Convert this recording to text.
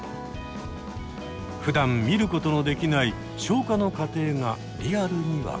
ふだん見ることのできない消化の過程がリアルに分かる。